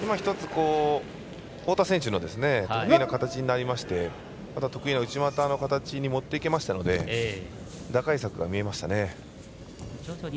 太田選手の得意な形になりまして得意な内股の形に持っていけましたので打開策が見えました。